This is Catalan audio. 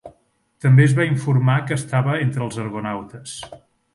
També es va informar que estava entre els argonautes.